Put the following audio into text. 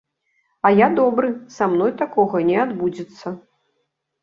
А я добры, са мной такога не адбудзецца.